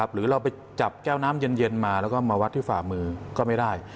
หรือเราไปจับแก้วน้ำเย็นมาแล้วก็มาวัดที่ฝ่ามือก็ไม่ได้